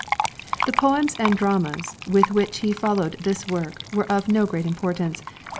The poems and dramas with which he followed this work were of no great importance.